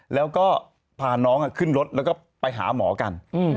แล้วก็พาน้องขึ้นรถแล้วก็ไปหาหมอกัน